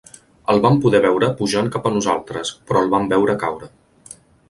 El vam poder veure pujant cap a nosaltres, però el vam veure caure.